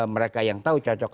mereka yang tahu cocok